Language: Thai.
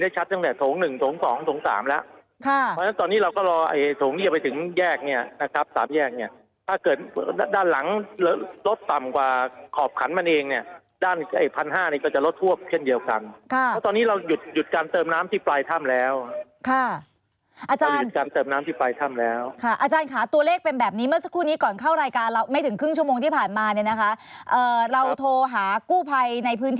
ใช่คือข่าวนี้ยืนยันเลยใช่ไหมคะอาจารย์